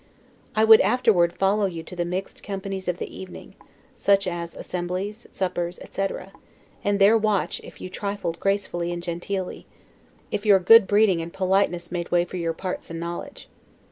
I would afterward follow you to the mixed companies of the evening; such as assemblies, suppers, etc., and there watch if you trifled gracefully and genteelly: if your good breeding and politeness made way for your parts and knowledge.